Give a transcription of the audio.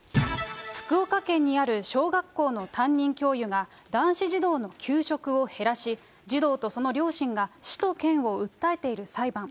福岡県にある小学校の担任教諭が、男子児童の給食を減らし、児童とその両親が市と県を訴えている裁判。